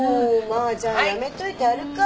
まあじゃあやめといてやるか。